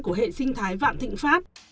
của hệ sinh thái vạn thịnh pháp